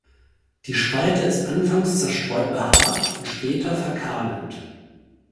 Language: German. Die Spreite ist anfangs zerstreut behaart und später verkahlend.